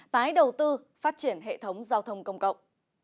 tái đầu tư phát triển hệ thống giao thông công cộng